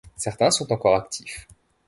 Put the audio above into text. Certains sont encore actifs.